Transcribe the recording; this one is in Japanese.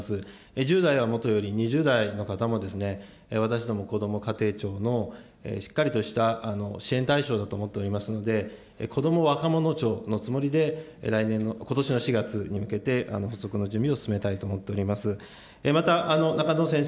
１０代はもとより２０代の方も、私ども、こども家庭庁のしっかりとした支援対象とおっておりますので、こども若者庁のつもりで来年の、ことしの４月に向けてを進めたいと思っております。